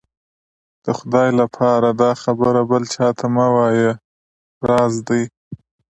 د خدای لهپاره دا خبره بل چا ته مه وايه، راز دی.